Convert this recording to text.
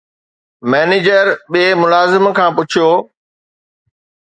manager ٻئي ملازم کان پڇيو